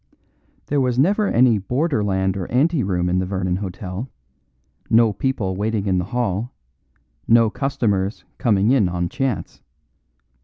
There was never any borderland or anteroom in the Vernon Hotel, no people waiting in the hall, no customers coming in on chance.